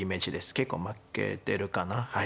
結構負けてるかなはい。